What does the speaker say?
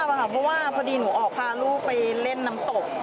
หนูไม่ทราบค่ะเพราะว่าพอดีหนูออกพาลูกไปเล่นน้ำตก